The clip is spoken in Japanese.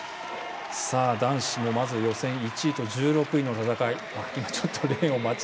男子予選１位と１６位の戦い。